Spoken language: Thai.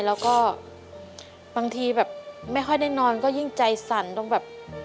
แล้วก็บางทีแบบไม่ค่อยได้นอนก็ยิ่งใจสั่นต้องแบบ